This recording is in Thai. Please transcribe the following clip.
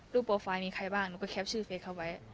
โปรไฟล์มีใครบ้างหนูก็แปปชื่อเฟสเขาไว้